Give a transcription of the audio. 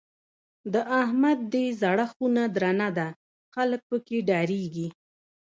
د احمد دی زړه خونه درنه ده؛ خلګ په کې ډارېږي.